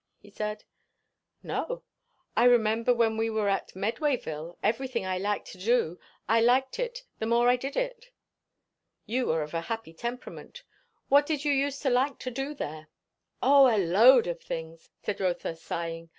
he said. "No. I remember when we were at Medwayville, everything I liked to do, I liked it more the more I did it." "You are of a happy temperament. What did you use to like to do there?" "O a load of things!" said Rotha sighing.